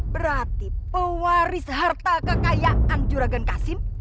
berarti pewaris harta kekayaan juragan kasim